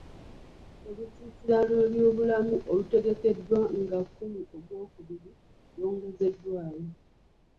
Olusiisira lw'ebyobulamu olutegekeddwa nga kkumi Ogwokubiri lwongezeddwayo.